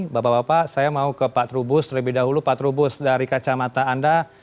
bapak bapak saya mau ke pak trubus terlebih dahulu pak trubus dari kacamata anda